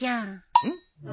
うん？